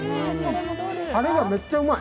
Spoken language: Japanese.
たれがめっちゃうまい！